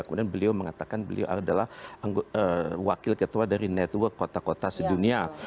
kemudian beliau mengatakan beliau adalah wakil ketua dari network kota kota sedunia